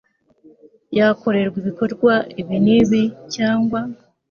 yakorerwa ibikorwa ibi n ibi cyangwa